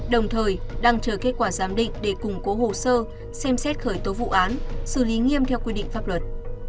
đồng thời đang chờ kết quả giám định để củng cố hồ sơ xem xét khởi tố vụ án xử lý nghiêm theo quy định pháp luật